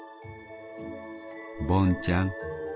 『ボンちゃん